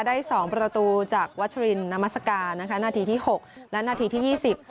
ได้สองประตูจากวัชรินนามัศกานะคะนาทีที่หกและนาทีที่ยี่สิบ